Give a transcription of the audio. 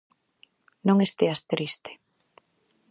Non esteas triste.